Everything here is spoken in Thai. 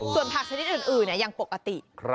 ส่วนผักชนิดอื่นเนี่ยอย่างปกติ